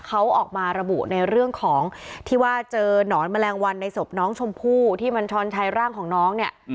เขาออกมาระบุในเรื่องของที่ว่าเจอหนอนแมลงวันในศพน้องชมพู่ที่มันช้อนใช้ร่างของน้องเนี่ย